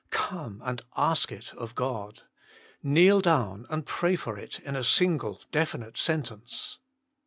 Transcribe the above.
Come and ask it of God. Kneel down and pray for it in a single definite sentence.